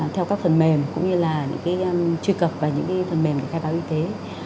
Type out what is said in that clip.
theo các phần mềm cũng như là những cái truy cập và những cái phần mềm để khai báo y tế